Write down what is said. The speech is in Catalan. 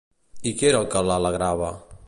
I què era el que l'alegrava?